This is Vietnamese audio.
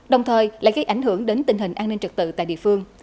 đồng thời lại gây ảnh hưởng đến tình hình an ninh trật tự tại địa phương